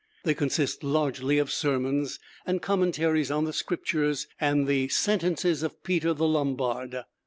They consist largely of sermons, and commentaries on the Scriptures and the 'Sentences' of Peter the Lombard.